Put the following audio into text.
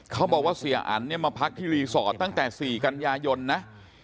เขาบอกว่าเสียอันเนี่ยมาพักที่รีสอร์ทตั้งแต่๔กันยายนนะ